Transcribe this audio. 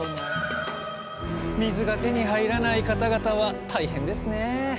水が手に入らない方々は大変ですね。